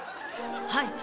はい。